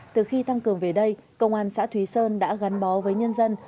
từ khi tăng cường về đây công an xã thúy sơn đã gắn bó với nhân dân